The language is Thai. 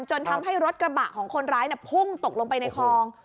จนทำให้รถกระบะของคนร้ายพุ่งตกลงไปในคลอง